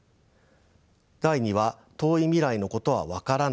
第２は「遠い未来のことは分からない」です。